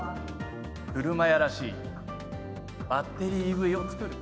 車屋らしいバッテリーＥＶを作る。